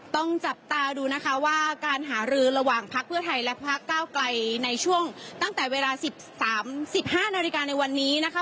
ต้องจับตาดูนะคะว่าการหารือระหว่างพักเพื่อไทยและพักเก้าไกลในช่วงตั้งแต่เวลา๑๓๑๕นาฬิกาในวันนี้นะคะ